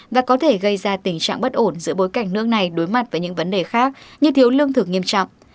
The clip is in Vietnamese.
và có thể gây ra tình trạng bất ổn giữa bối cảnh nước này đối mặt với những vấn đề khác như thiếu lương thực nghiêm trọng